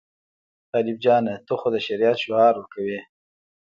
طالب جانه ته خو د شریعت شعار ورکوې.